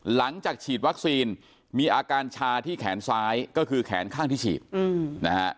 หลังจากฉีดวัคซีนมีอาการชาที่แขนซ้ายก็คือแขนข้างที่ฉีดนะฮะ